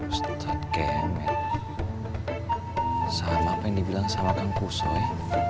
ustadz kemed sama apa yang dibilang sama kang kusoy